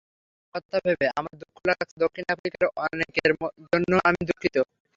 তার কথা ভেবে আমার দুঃখ লাগছে, দক্ষিণ আফ্রিকার অনেকের জন্যও আমি দুঃখিত।